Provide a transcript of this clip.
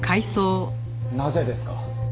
なぜですか？